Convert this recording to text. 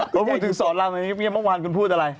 พอพูดถึงสอนรามเงียบเมื่อวานคุณพูดอะไร